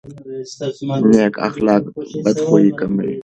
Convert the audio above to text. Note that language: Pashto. نیک اخلاق بدخويي کموي.